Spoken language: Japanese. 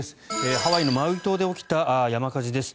ハワイのマウイ島で起きた山火事です。